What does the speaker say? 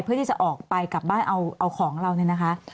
เพื่อที่จะออกไปกลับบ้านเอาของเราเนี่ยนะคะ